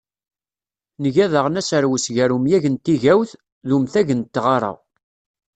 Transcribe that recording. Nga daɣen aserwes gar umyag n tigawt, d umtag n tɣara.